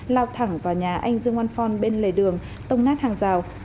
lao thẳng vào nhà anh dương oan phong bên lề đường tông nát hàng rào